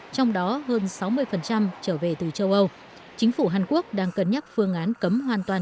trong đó hơn sáu mươi trở về từ châu âu chính phủ hàn quốc đang cân nhắc phương án cấm hoàn toàn